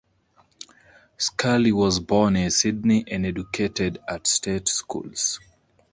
Scully was born in Sydney and educated at state schools.